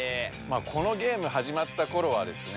このゲームはじまったころはですね